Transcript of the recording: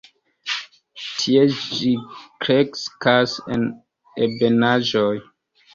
Tie ĝi kreskas en ebenaĵoj.